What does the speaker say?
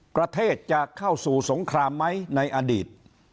ประเทศจะเข้าสู่สงครามไหมในอดีต